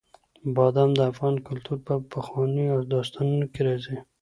بادام د افغان کلتور په پخوانیو داستانونو کې راځي.